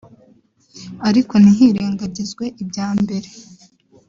ariko ntihirengagizwe ibya mbere